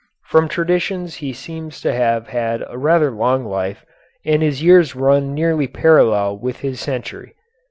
From traditions he seems to have had a rather long life, and his years run nearly parallel with his century.